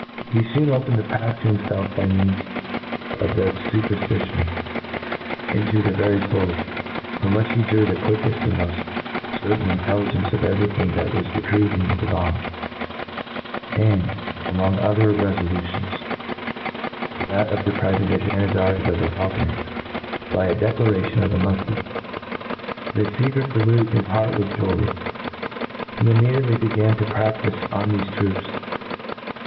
He foon opened a path to himfelf, by means of their fuperftition, into their very fouls, from which he drew the<iuickeft and ,, moft certain intelligence of every thing that was decreed in the divan j and, among other refolu tions, that of depriving the Janizaries of their faulcon eggs, by a declaration' of the Mufti. This fecret deluged his heart with joy. He im mediately began to praftife on thefe troops, and